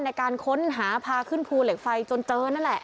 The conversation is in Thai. ในการค้นหาพาขึ้นภูเหล็กไฟจนเจอนั่นแหละ